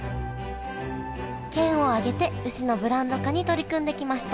県を挙げて牛のブランド化に取り組んできました